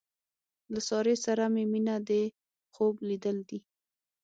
له سارې سره مې مینه دې خوب لیدل دي.